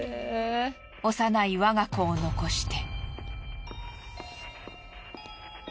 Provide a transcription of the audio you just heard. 幼い我が子を残して。